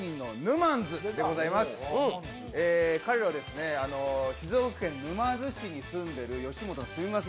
彼らは静岡県沼津市に住んでいる吉本の住みます